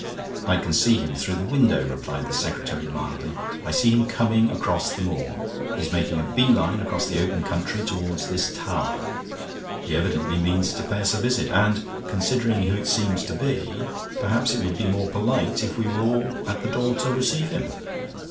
"I can see him through the window," replied the secretary, mildly. "I see him coming across the moor. He's making a bee line across the open country toward this tower. He evidently means to pay us a visit. And, considering who it seems to be, perhaps it would be more polite if we were all at the door to receive him."